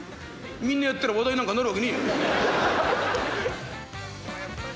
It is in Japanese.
みんなやったら話題になんかなるわけねえ。